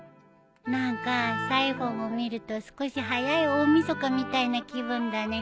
何かサイホンを見ると少し早い大晦日みたいな気分だね。